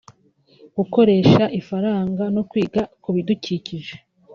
gukoresha ifaranga no kwita ku bidukikije